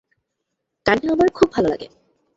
গানটা আমার খুব ভালো লাগে।